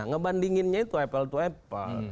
ngebandinginnya itu apple to apple